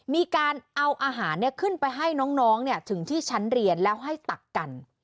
มีการเอาอาหารขึ้นไปให้น้องถึงที่ชั้นเรียนแล้วให้ตักกัน